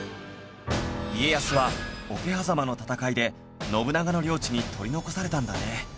家康は桶狭間の戦いで信長の領地に取り残されたんだね